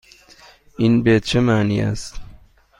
این به چه معنی است؟